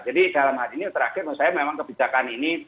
jadi dalam hal ini terakhir menurut saya memang kebijakan ini